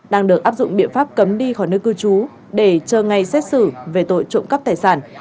đang được áp dụng biện pháp cấm đi khỏi nơi cư trú để chờ ngày xét xử về tội trộm cắp tài sản